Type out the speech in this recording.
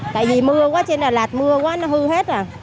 tại vì mưa quá trên đà lạt mưa quá nó hư hết rồi